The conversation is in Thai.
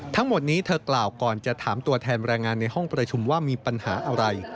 ทั้งหมดนี้เธอกล่าวก่อนจะถามตัวแทนแรงงานในห้องประชุมว่ามีปัญหาอะไร